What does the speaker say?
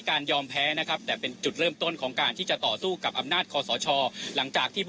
เกิดขึ้นอีกในวันนี้